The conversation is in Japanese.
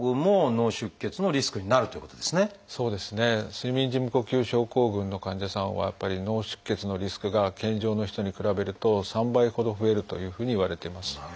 睡眠時無呼吸症候群の患者さんはやっぱり脳出血のリスクが健常の人に比べると３倍ほど増えるというふうにいわれてます。